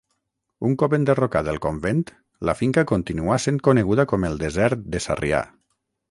Un cop enderrocat el convent, la finca continuà sent coneguda com el Desert de Sarrià.